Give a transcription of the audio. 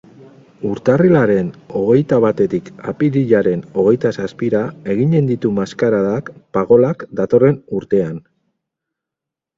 Urtarrilaren hogeita batetik apirilaren hogeita zazpira eginen ditu maskaradak Pagolak datorren urtean.